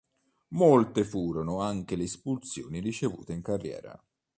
Molte furono anche le espulsioni ricevute in carriera.